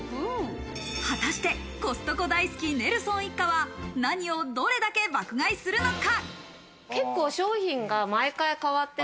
果たしてコストコ大好きネルソン一家は何をどれだけ爆買いするのか。